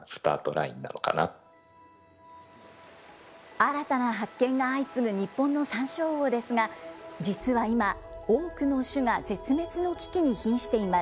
新たな発見が相次ぐ日本のサンショウウオですが、実は今、多くの種が絶滅の危機にひんしています。